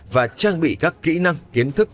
và trang bị các kỹ năng kiến thức